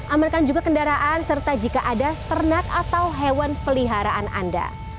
amankan juga kendaraan serta jika ada ternak atau hewan peliharaan anda